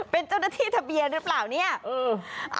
เป็นเจ้าหน้าที่ทะเบียนหรือเปล่าเนี่ย